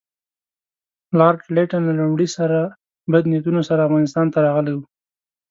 لارډ لیټن له لومړي سره بد نیتونو سره افغانستان ته راغلی وو.